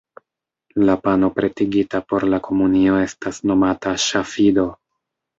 La pano pretigita por la komunio estas nomata "ŝafido".